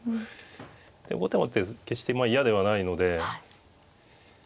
で後手も決して嫌ではないので。